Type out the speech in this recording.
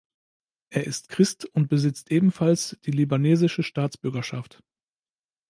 Er ist Christ und besitzt ebenfalls die libanesische Staatsbürgerschaft.